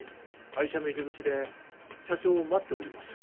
会社の入り口で社長を待っておりました。